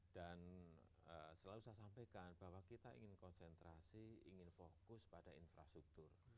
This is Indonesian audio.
dan selalu saya sampaikan bahwa kita ingin konsentrasi ingin fokus pada infrastruktur